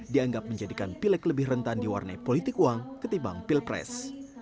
dianggap menjadikan pilek lebih rentan diwarnai politik uang ketimbang pilpres